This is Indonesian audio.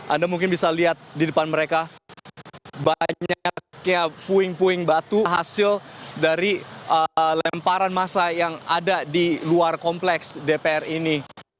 anda mungkin bisa lihat di depan mereka banyaknya puing puing batu hasil dari lemparan masa yang ada di luar kompleks dpr ini